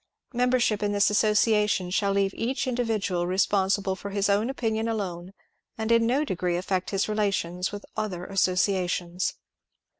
Member ship in this ALSsociation shall leave each individual responsible for his own opinion alone, and in no d^;ree affect his relations with other associations.